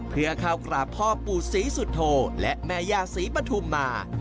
เพื่อเข้ากราบพ่อปู่ศรีสุโธและแม่ย่าศรีปฐุมมา